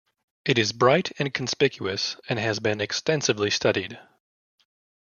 It is bright and conspicuous and has been extensively studied.